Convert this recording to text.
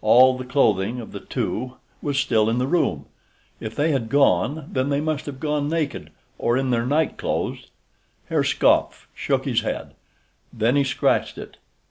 All the clothing of the two was still in the room—if they had gone then they must have gone naked or in their night clothes. Herr Skopf shook his head; then he scratched it.